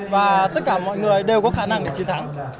và tất cả mọi người đều có khả năng để chiến thắng